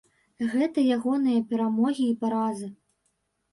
Гэта ягоныя перамогі і паразы.